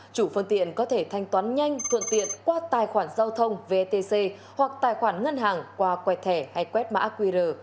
chủ phương tiện có thể thanh toán nhanh thuận tiện qua tài khoản giao thông vetc hoặc tài khoản ngân hàng qua quẹt thẻ hay quét mã qr